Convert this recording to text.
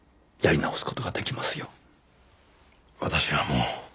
私はもう。